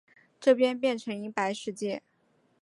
这边变成银白世界